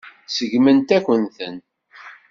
Seggmen-akent-ten.